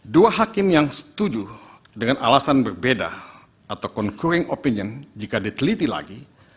dua hakim yang setuju dengan alasan berbeda atau concroing opinion jika diteliti lagi